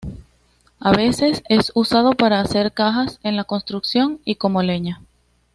A veces es usado para hacer cajas, en la construcción, y como leña.